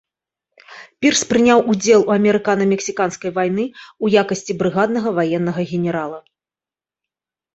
Пірс прыняў удзел у амерыкана-мексіканскай вайны ў якасці брыгаднага ваеннага генерала.